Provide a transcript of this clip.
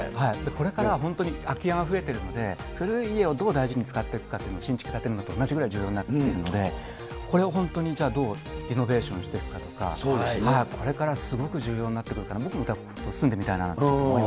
これからは本当に空き家が増えてるので、古い家をどう大事に使っていくかっていうのが、新築建てるのと同じくらい重要になって来てるので、これを本当にじゃあ、リノベーションしていくかとか、これからすごく重要になってくるから、僕も住んでみたいなと思い